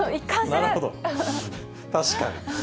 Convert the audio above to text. なるほど、確かに。